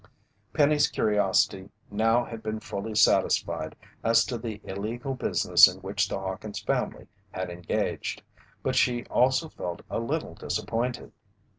Penny's curiosity now had been fully satisfied as to the illegal business in which the Hawkins' family had engaged, but she also felt a little disappointed.